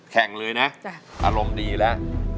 แข่งเลยนะอารมณ์ดีแล้ว